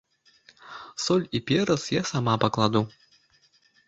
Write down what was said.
Соль і перац я сама пакладу.